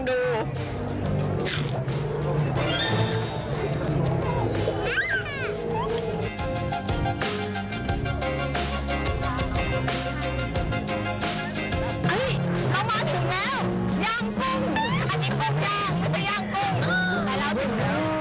อันนี้ไม่ใช่ยางไม่ใช่ยางปุ้ง